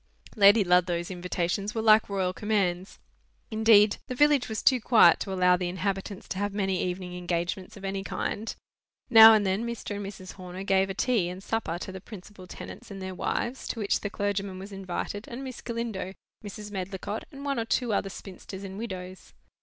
Lady Ludlow's invitations were like royal commands. Indeed, the village was too quiet to allow the inhabitants to have many evening engagements of any kind. Now and then, Mr. and Mrs. Horner gave a tea and supper to the principal tenants and their wives, to which the clergyman was invited, and Miss Galindo, Mrs. Medlicott, and one or two other spinsters and widows.